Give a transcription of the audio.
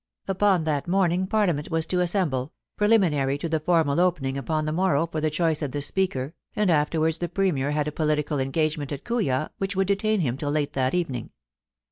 Upon that morning Parliament was to assemble, pre liminary to the formal opening upon the morrow for the choice of the Speaker, and afterwards the Premier had a political engagement at Kooya which would detain him till late that evening.